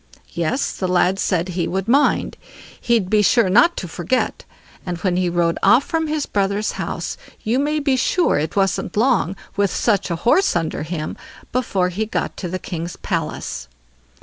Yes! the lad said he would mind; he'd be sure not to forget; and when he rode off from his brothers' house, you may be sure it wasn't long, with such a horse under him, before he got to the king's palace.